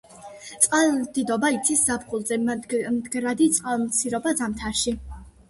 წყალდიდობა იცის გაზაფხულზე, მდგრადი წყალმცირობა ზამთარში.